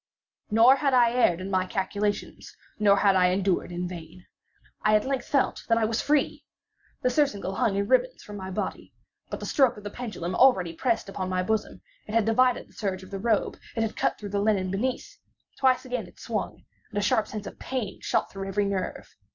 Nor had I erred in my calculations—nor had I endured in vain. I at length felt that I was free. The surcingle hung in ribands from my body. But the stroke of the pendulum already pressed upon my bosom. It had divided the serge of the robe. It had cut through the linen beneath. Twice again it swung, and a sharp sense of pain shot through every nerve.